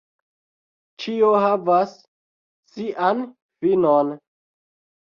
Ĉio havas sian finon.